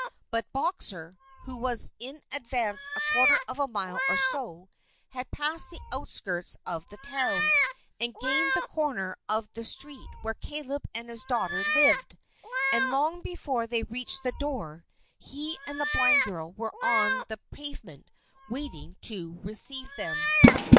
But Boxer, who was in advance a quarter of a mile or so, had passed the outskirts of the town, and gained the corner of the street where Caleb and his daughter lived; and long before they reached the door, he and the blind girl were on the pavement waiting to receive them.